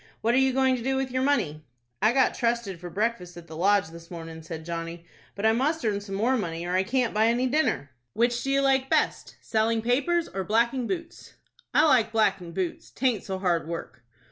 What are you going to do with your money?" "I got trusted for breakfast at the Lodge this mornin'," said Johnny; "but I must earn some more money, or I can't buy any dinner." "Which do you like best,—selling papers, or blacking boots?" "I like blackin' boots. 'Taint so hard work."